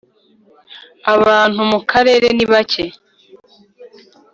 Abantu mu karere nibake.